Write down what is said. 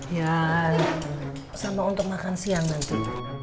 ya sama untuk makan siang nanti